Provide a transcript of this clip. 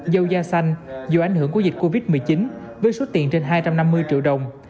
dâu da xanh dù ảnh hưởng của dịch covid một mươi chín với số tiền trên hai trăm năm mươi triệu đồng